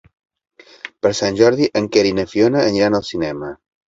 Per Sant Jordi en Quer i na Fiona aniran al cinema.